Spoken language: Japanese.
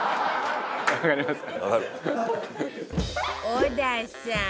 織田さん